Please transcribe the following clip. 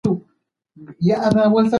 افغان نجونې د زده کړې لپاره ډېره هڅه کوي.